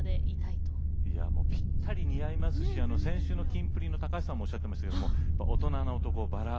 いやもうぴったり似合いますし先週のキンプリの橋さんもおっしゃってましたけども大人の男バラ。